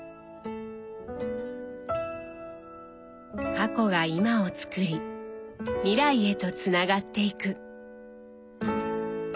過去が今をつくり未来へとつながっていく。